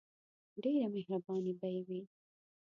ډیره مهربانی به یی وی.